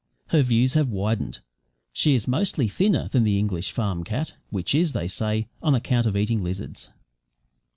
Her views have widened. She is mostly thinner than the English farm cat which is, they say, on account of eating lizards.